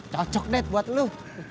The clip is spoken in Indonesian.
cocok dad buat lu